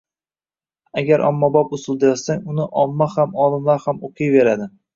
Agar ommabop usulda yozsang, uni omma ham, olimlar ham o‘qiyveradi.